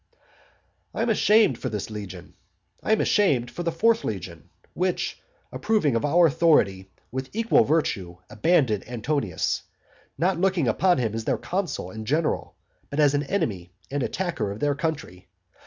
I am ashamed for this legion, I am ashamed for the fourth legion, which, approving of our authority with equal virtue, abandoned Antonius, not looking upon him as their consul and general, but as an enemy and attacker of their country.